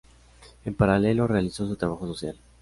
En paralelo realizó su trabajo social.